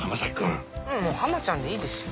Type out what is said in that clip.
もうハマちゃんでいいですよ。